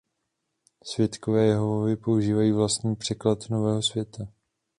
Svědkové Jehovovi používají vlastní "Překlad nového světa".